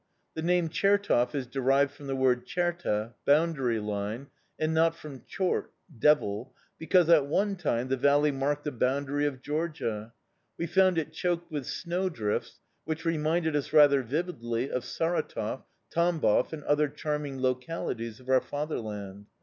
The name "Chertov" is derived from the word cherta (boundary line) and not from chort (devil), because, at one time, the valley marked the boundary of Georgia. We found it choked with snow drifts, which reminded us rather vividly of Saratov, Tambov, and other charming localities of our fatherland.